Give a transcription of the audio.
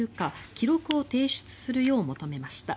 記録を提出するよう求めました。